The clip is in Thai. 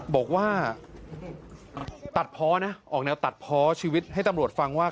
บอกว่าตัดเพาะนะออกแนวตัดเพาะชีวิตให้ตำรวจฟังว่า